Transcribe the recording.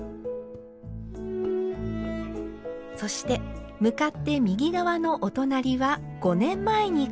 そして向かって右側のお隣は５年前に購入。